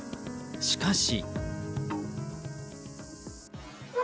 しかし。